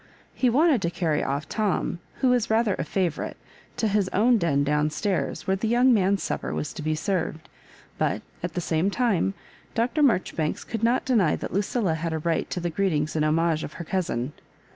He wanted to carry off Tom, who was rather a favourite, to his own den down stairs, where the young man's supper was to be served ; but, at the same time, Dr. Marjoribanks could not deny that Lucilla bad a right to the greetings and homage of her cousin.